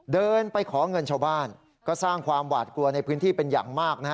เดินไปขอเงินชาวบ้านก็สร้างความหวาดกลัวในพื้นที่เป็นอย่างมากนะฮะ